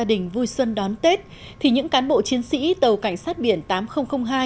đình vui xuân đón tết thì những cán bộ chiến sĩ tàu cảnh sát biển tám nghìn hai